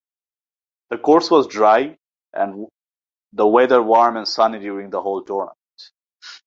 The course was dry and the whether warm and sunny during the whole tournament.